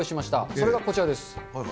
それがこちらです。